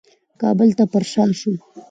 کابل ته پرشا شو.